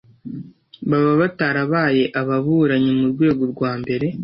baba batarabaye ababuranyi mu rwego rwambere